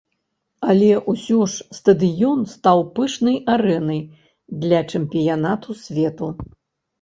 Але ўсё ж стадыён стаў пышнай арэнай для чэмпіянату свету.